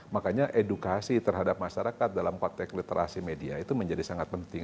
makanya edukasi terhadap masyarakat dalam konteks literasi media itu menjadi sangat penting